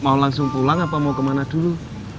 mau langsung pulang apa mau kemana dulu